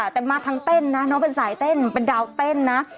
แต่มาทั้งเต้นนะน้องเป็นสายเต้นเป็นดาวเต้นนะ